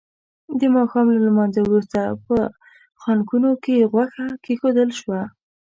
د ماښام له لمانځه وروسته په خانکونو کې غوښه کېښودل شوه.